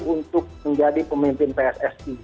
untuk menjadi pemimpin pssi